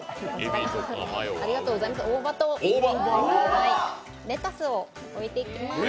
大葉とレタスを置いていきます。